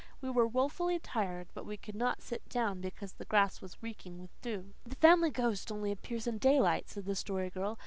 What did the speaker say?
We were woefully tired, but we could not sit down because the grass was reeking with dew. "The Family Ghost only appears in daylight," said the Story Girl.